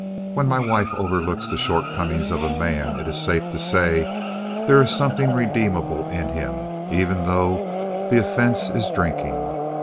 When my wife overlooks the shortcomings of a man, it is safe to say there is something redeemable in him, even though the offense is drinking.